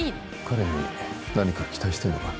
彼に何か期待してんのか？